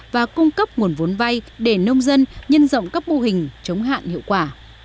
và cung cấp nguồn vốn vay để nông dân nhân rộng các mô hình chống hạn hiệu quả